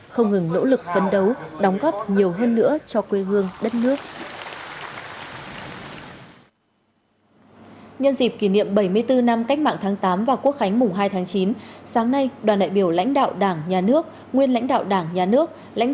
không ngừng nỗ lực phấn đấu đóng góp nhiều hơn nữa cho quê hương đất nước